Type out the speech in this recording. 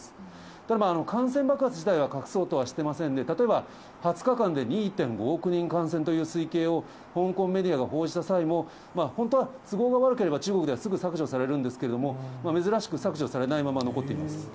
ただ、感染爆発自体は隠そうとしてませんで、例えば、２０日間で２．５億人感染という推計を香港メディアが報じた際も、本当は都合が悪ければ中国ではすぐ削除されるんですけれども、珍しく削除されないまま、残っています。